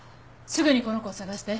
すぐにこの子を捜して。